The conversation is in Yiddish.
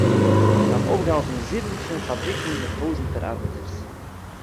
זיי האָבן אויפגעהאַלטן זיבן פון פאַבריקן מיט טויזנטער אַרבעטערס